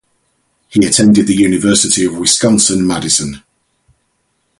He attended the University of Wisconsin-Madison.